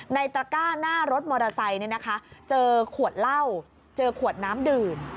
ตระก้าหน้ารถมอเตอร์ไซค์เจอขวดเหล้าเจอขวดน้ำดื่ม